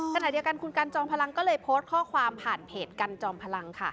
ขณะเดียวกันคุณกันจอมพลังก็เลยโพสต์ข้อความผ่านเพจกันจอมพลังค่ะ